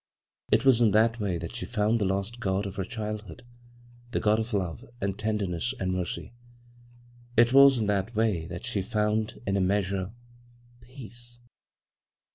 It was in that way that she found the lost God of her childhood — the God of love and ten derness and merqr. It was in that way that she found, in a measure — peace."